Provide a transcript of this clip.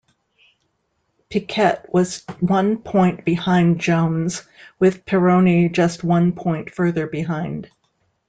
Piquet was one point behind Jones with Pironi just one point further behind.